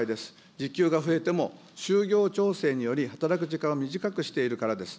時給が増えても、就業調整により働く時間を短くしているからです。